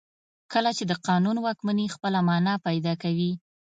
کله چې د قانون واکمني خپله معنا پیدا کوي.